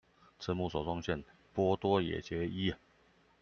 慈母手中線，波多野結衣